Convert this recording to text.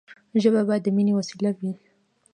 ژبه باید د ميني وسیله وي.